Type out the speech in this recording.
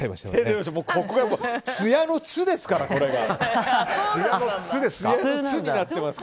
つやの「つ」ですから、これが。